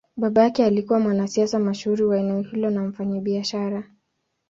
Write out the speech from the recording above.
Baba yake alikuwa mwanasiasa mashuhuri wa eneo hilo na mfanyabiashara.